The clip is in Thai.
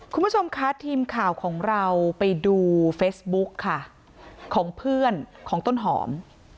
คุณผู้ชมคะทีมข่าวของเราไปดูเฟซบุ๊กค่ะของเพื่อนของต้นหอม